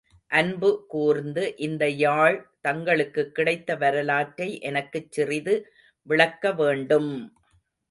அன்பு கூர்ந்து இந்த யாழ் தங்களுக்குக் கிடைத்த வரலாற்றை எனக்குச் சிறிது விளக்க வேண்டும்!